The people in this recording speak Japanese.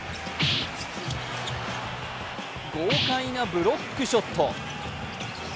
豪快なブロックショット。